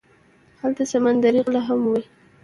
هلته سمندري غله هم وي.